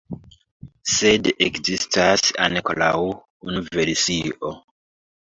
Sed ekzistas ankoraŭ unu versio.